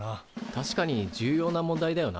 確かに重要な問題だよな。